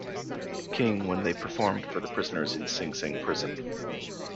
King when they performed for the prisoners in Sing Sing Prison.